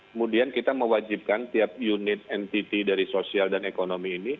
kemudian kita mewajibkan tiap unit entiti dari sosial dan ekonomi ini